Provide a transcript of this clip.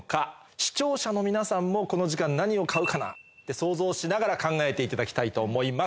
視聴者の皆さんもこの時間何を買うかなって想像しながら考えていただきたいと思います。